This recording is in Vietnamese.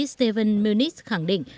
stephen muniz khẳng định